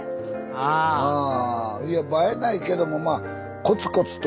ああいや映えないけどもコツコツと。